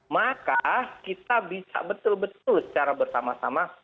maka kita bisa betul betul secara bersama sama